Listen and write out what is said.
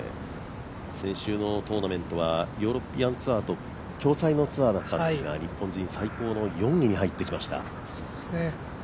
先週のトーナメントはヨーロピアンツアーと共催のツアーだったんですが日本人最高の４位に入ってきました。